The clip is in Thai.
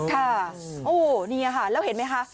ค่ะโอ้นี่ค่ะแล้วเห็นไหมคะ